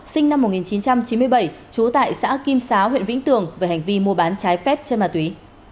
sinh năm một nghìn chín trăm chín mươi bảy trú tại xã kim xá huyện vĩnh tường về hành vi mua bán trái phép chân ma túy